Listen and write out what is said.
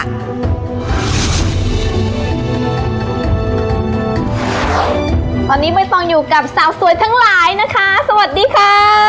ตอนนี้เบยต้องอยู่กับสาวสวยทั้งหลายนะคะสวัสดีค่ะสวัสดีค่ะ